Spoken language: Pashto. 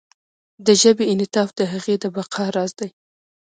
د ژبې انعطاف د هغې د بقا راز دی.